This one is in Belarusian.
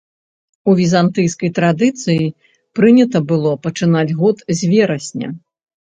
У візантыйскай традыцыі прынята было пачынаць год з верасня.